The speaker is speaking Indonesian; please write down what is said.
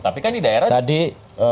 tapi kan di daerah